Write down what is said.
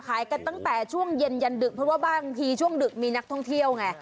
ขายกันตั้งแต่ช่วงเย็นยันดึกเพราะว่าบางทีช่วงดึกมีนักท่องเที่ยวไง